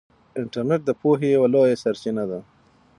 انټرنیټ د پوهې یوه لویه سرچینه ده.